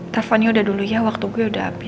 teleponnya udah dulu ya waktu gue udah habis